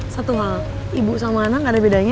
satu hal ibu sama anak ada bedanya